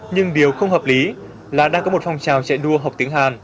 nhưng điều không hợp lý là đang có một phong trào chạy đua học tiếng hàn